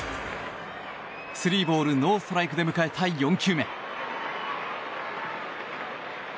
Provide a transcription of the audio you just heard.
スリーボールノーストライクで迎えた４球目。